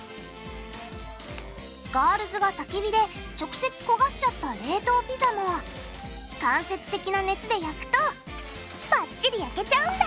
ガールズがたき火で直接焦がしちゃった冷凍ピザも間接的な熱で焼くとバッチリ焼けちゃうんだ！